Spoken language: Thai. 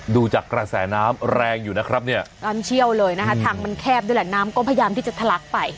ดูจากกระแสน้ำแรงอยู่นะครับเนี่ยน้ำเชี่ยวเลยนะคะทางมันแคบด้วยแหละน้ำก็พยายามที่จะทะลักไป